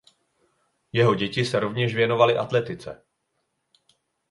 Jeho děti se rovněž věnovaly atletice.